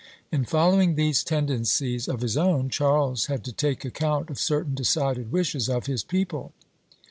In following these tendencies of his own, Charles had to take account of certain decided wishes of his people.